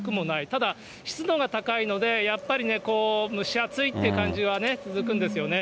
ただ、湿度が高いので、やっぱりね、蒸し暑いって感じは続くんですよね。